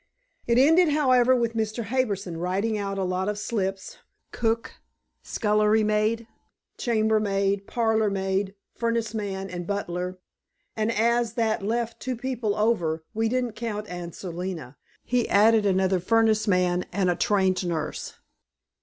It ended, however, with Mr. Harbison writing out a lot of slips, cook, scullery maid, chamber maid, parlor maid, furnace man, and butler, and as that left two people over we didn't count Aunt Selina he added another furnace man and a trained nurse.